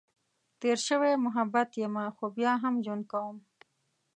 تېر شوی محبت یمه، خو بیا هم ژوند کؤم.